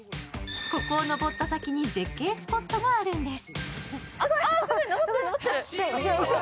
ここを登った先に絶景スポットがあるんです。